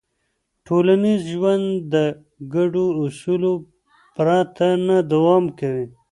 ټولنیز ژوند د ګډو اصولو پرته نه دوام کوي.